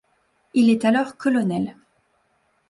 Il est alors colonel.